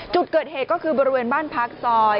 จุดเกิดเหตุก็คือบริเวณบ้านพักซอย